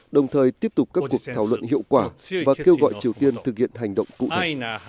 đồng thời tiếp tục các cuộc thảo luận hiệu quả và kêu gọi triều tiên thực hiện hành động cụ thể